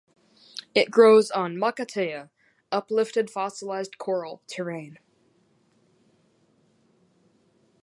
It grows on "makatea" (uplifted fossilised coral) terrain.